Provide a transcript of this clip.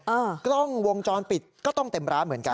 กล้องวงจรปิดก็ต้องเต็มร้านเหมือนกัน